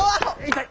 痛い！